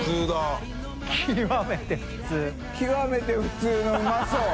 極めて普通のうまそう。